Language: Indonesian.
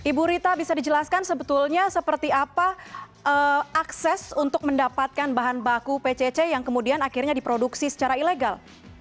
ibu rita bisa dijelaskan sebetulnya seperti apa akses untuk mendapatkan bahan baku pcc yang kemudian akhirnya diproduksi secara ilegal